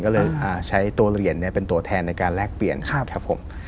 ก็เลยใช้ตัวเหรียญเป็นตัวแทนในการแลกเปลี่ยนครับผม